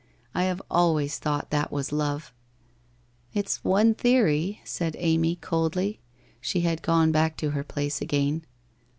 I have always thought that was Love/ ' It's one theory/ said Amy coldly. She had gone back to her place again.